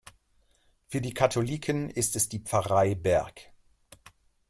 Für die Katholiken ist es die Pfarrei Berg.